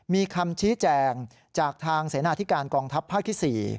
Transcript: มีคำชี้แจงจากทางเสนาธิการกองทัพภาคที่๔